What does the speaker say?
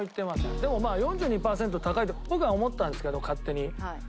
でも４２パーセント高いと僕は思ったんですけど勝手に。